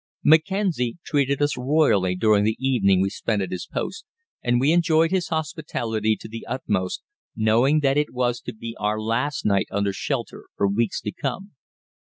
Mackenzie treated us royally during the evening we spent at his post, and we enjoyed his hospitality to the utmost, knowing that it was to be our last night under shelter for weeks to come.